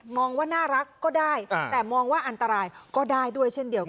ว่าน่ารักก็ได้แต่มองว่าอันตรายก็ได้ด้วยเช่นเดียวกัน